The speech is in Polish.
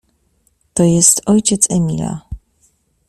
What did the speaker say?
to jest ojciec Emila.